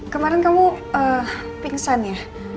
kemaren kamu ehh pingsan ya